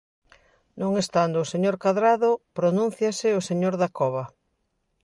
Non estando o señor Cadrado, pronúnciase o señor Dacova.